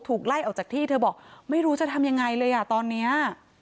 ไล่ออกจากที่เธอบอกไม่รู้จะทำยังไงเลยอ่ะตอนเนี้ย